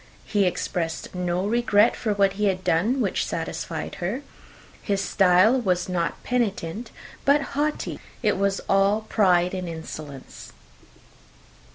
He expressed no regret for what he had done which satisfied her; his style was not penitent, but haughty. It was all pride and insolence.